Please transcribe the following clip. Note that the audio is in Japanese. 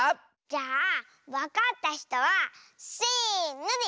じゃあわかったひとはせのでいおう。